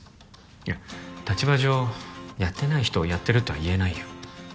いや立場上やってない人をやってるとは言えないよ